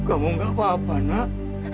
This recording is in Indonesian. aduh aku mengerti